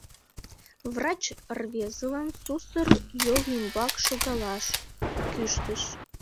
Врач рвезылан сусыр йол ӱмбак шогалаш! кӱштыш.